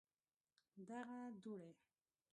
دغه دوړي